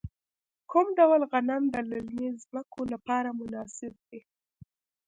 کوم ډول غنم د للمي ځمکو لپاره مناسب دي؟